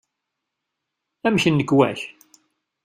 Amek nnekwa-k?